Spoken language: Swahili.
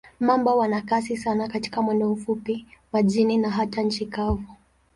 Mamba wana kasi sana katika mwendo mfupi, majini na hata nchi kavu.